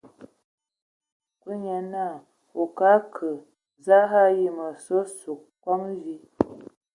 Kúlu nye naa: A o akǝ kə, za a ayi hm ma sug nkom vi?